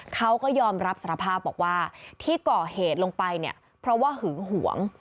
เขาก็ยอมรับสารภาพบอกว่าที่ก่อเหตุลงไปเนี่ยเพราะว่าหึงหวง